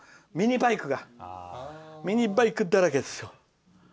ミニバイクだらけですよ。